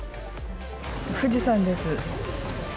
富士山です。